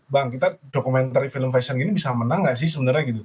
bang kita dokumenter film fashion gini bisa menang gak sih sebenarnya gitu